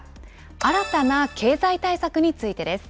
新たな経済対策についてです。